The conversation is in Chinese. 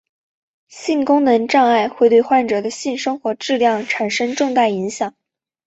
性功能障碍会对患者的性生活质量产生重大影响。